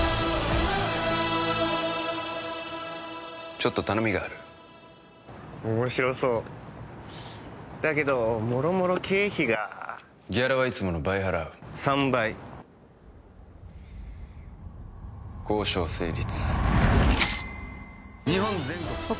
ちょっと頼みがある面白そうだけどもろもろ経費がギャラはいつもの倍払う３倍交渉成立